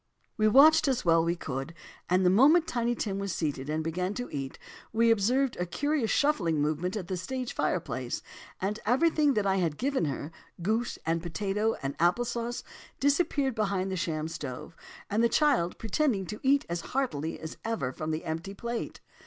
"We watched as well as we could, and the moment Tiny Tim was seated, and began to eat, we observed a curious shuffling movement at the stage fireplace, and everything that I had given her, goose and potatoes, and apple sauce disappeared behind the sham stove, the child pretending to eat as heartily as ever from the empty plate.